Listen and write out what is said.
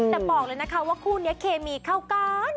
แต่บอกเลยนะคะว่าคู่นี้เคมีเข้ากัน